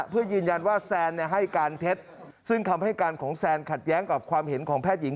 เพื่อยืนยันว่าแซนให้การเท็จซึ่งคำให้การของแซนขัดแย้งกับความเห็นของแพทย์หญิง